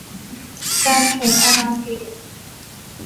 การแผ่อาณาเขต